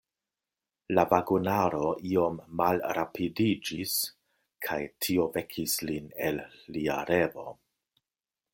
La vagonaro iom malrapidiĝis, kaj tio vekis lin el lia revo.